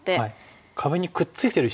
壁にくっついてる石に。